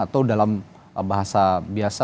atau dalam bahasa biasa